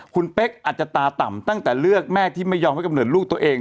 คุณเป๊กอาจจะตาต่ำตั้งแต่เลือกแม่ที่ไม่ยอมให้กำเนิดลูกตัวเอง